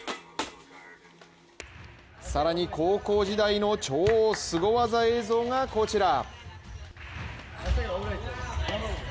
更に高校時代の超すご技映像がこちら。